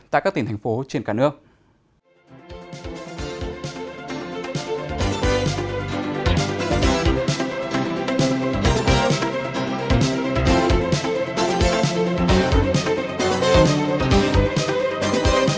tại các tỉnh thành phố trên cả nước